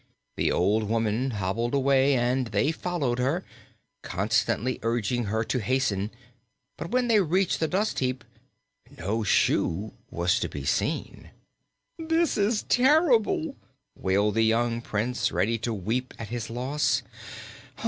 The old woman hobbled away and they followed her, constantly urging her to hasten; but when they reached the dust heap no shoe was to be seen. "This is terrible!" wailed the young Prince, ready to weep at his loss.